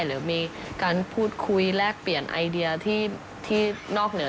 หรือมีการพูดคุยแลกเปลี่ยนไอเดียที่นอกเหนือ